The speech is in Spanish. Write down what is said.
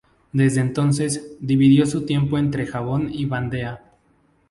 Desde entonces, dividió su tiempo entre Japón y Vandea.